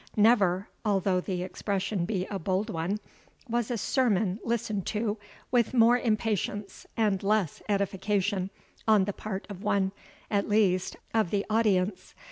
Never (although the expression be a bold one) was a sermon listened to with more impatience, and less edification, on the part of one, at least, of the audience.